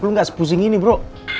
lu gak sepusing ini bro